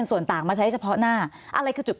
สวัสดีครับทุกคน